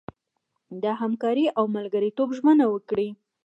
د همکارۍ او ملګرتوب ژمنه وکړي.